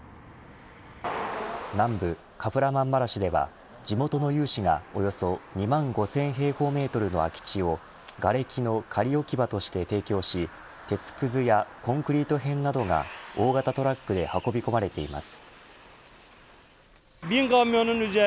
南部カフラマンマラシュでは地元の有志がおよそ２万５０００平方メートルの空き地をがれきの仮置き場として提供し鉄くずやコンクリート片などが大型トラックで運び込まれています。